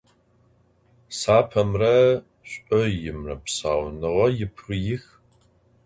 Sapemre ş'oimre psaunığem yipıix.